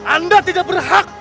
anda tidak berhak